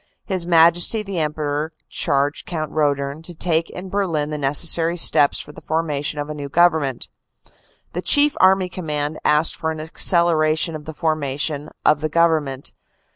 His Majesty the Emperor charged Count Roedern to take in Berlin the necessary steps for the formation of a new Government. The Chief Army Command asked for an acceleration of the formation of the Government.